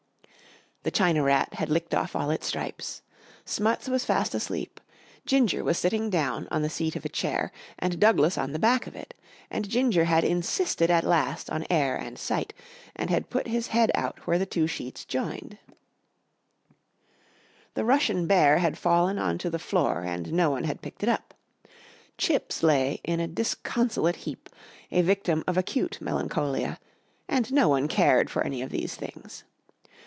The China rat had licked off all its stripes; Smuts was fast asleep; Ginger was sitting down on the seat of a chair and Douglas on the back of it, and Ginger had insisted at last on air and sight and had put his head out where the two sheets joined; the Russian Bear had fallen on to the floor and no one had picked it up; Chips lay in a disconsolate heap, a victim of acute melancholia and no one cared for any of these things.